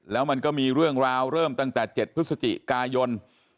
แล้วมันก็มีเรื่องราวเริ่มตั้งแต่๗พฤศจิกายน